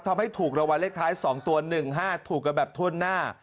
ทำให้ถูกรางวัลเลขท้าย๒ตัว๑๕ถูกกันแบบถ้วนหน้า